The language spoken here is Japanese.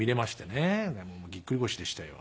ぎっくり腰でしたよ。